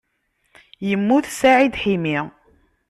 Yemmut Saɛid Ḥimi.